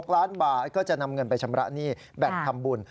๖ล้านบาทก็จะนำเงินไปชำระหนี้แบ่งทำบุญ